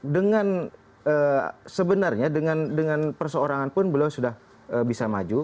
dengan sebenarnya dengan perseorangan pun beliau sudah bisa maju